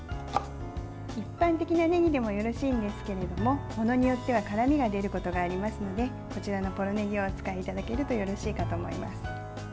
一般的なねぎでもよろしいんですけれどもものによっては辛みが出ることもありますのでこちらのポロねぎをお使いいただけるとよろしいかと思います。